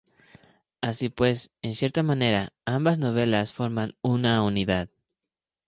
Así pues, en cierta manera ambas novelas forman una unidad.